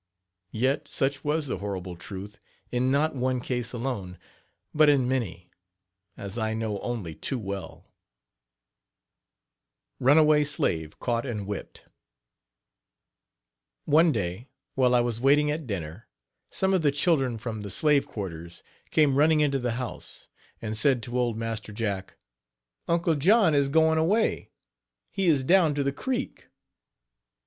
Yet such was the horrible truth in not one case alone, but in many, as I know only too well. RUNAWAY SLAVE CAUGHT AND WHIPPED. One day while I was waiting at dinner, some of the children from the slave quarters came running into the house, and said to old Master Jack: "Uncle John is going away he is down to the creek.